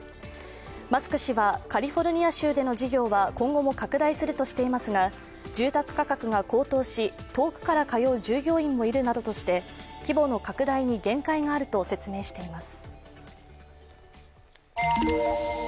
マスク氏は、カリフォルニア州での事業は今後も拡大するとしていますが住宅価格が高騰し遠くから通う従業員もいるなどとして規模の拡大に限界があると説明しています。